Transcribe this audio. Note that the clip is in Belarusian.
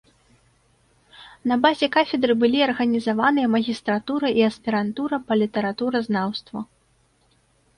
На базе кафедры былі арганізаваныя магістратура і аспірантура па літаратуразнаўству.